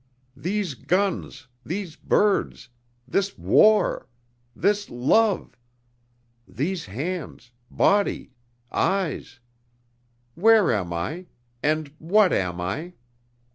These guns, these birds, this war, this love.... These hands, body, eyes.... Where am I?... and what am I?"